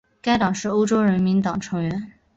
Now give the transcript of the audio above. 该党是欧洲人民党成员。